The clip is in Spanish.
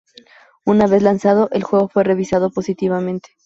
Una vez lanzado, el juego fue revisado positivamente.